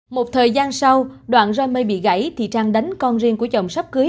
một thời gian sau đoạn rai mây bị gãy thì trang đánh con riêng của chồng sắp cưới